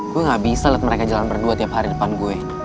gue gak bisa lihat mereka jalan berdua tiap hari depan gue